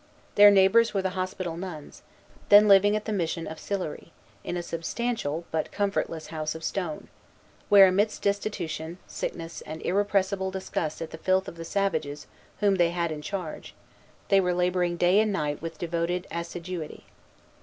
Their neighbors were the hospital nuns, then living at the mission of Sillery, in a substantial, but comfortless house of stone; where, amidst destitution, sickness, and irrepressible disgust at the filth of the savages whom they had in charge, they were laboring day and night with devoted assiduity.